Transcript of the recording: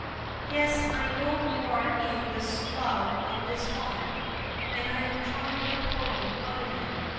"Yes, I know you are in the Slough of Despond, and I am trying to pull you out of it.